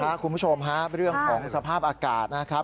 นี่ละค่ะคุณผู้ชมครับเรื่องของสภาพอากาศนะครับ